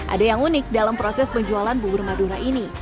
ada yang unik dalam proses penjualan bubur madura ini